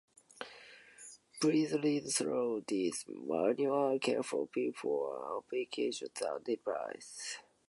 Please read through this manual carefully before operating the device.